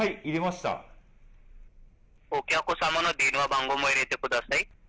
お客様の電話番号も入れてください。